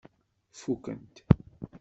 Fukent.